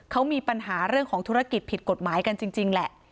เขามีปัญหาเรื่องของธุรกิจผิดกฎหมายกันจริงแหละ